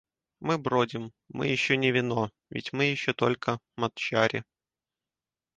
Мы бродим, мы еще не вино, ведь мы еще только мадчари.